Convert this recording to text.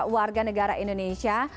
warga negara indonesia